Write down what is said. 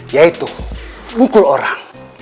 yaitu pukul orang